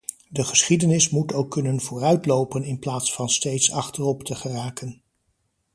De geschiedenis moet ook kunnen vooruitlopen in plaats van steeds achterop te geraken.